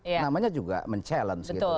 namanya juga menchallenge gitu